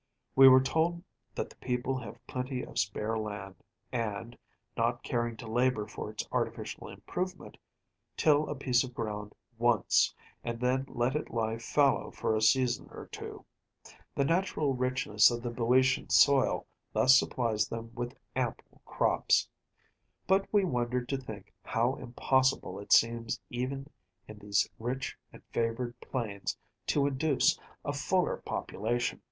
We were told that the people have plenty of spare land, and, not caring to labor for its artificial improvement, till a piece of ground once, and then let it lie fallow for a season or two. The natural richness of the BŇďotian soil thus supplies them with ample crops. But we wondered to think how impossible it seems even in these rich and favored plains to induce a fuller population.